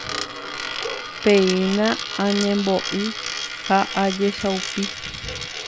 Péina añembo'y ha ajesaupi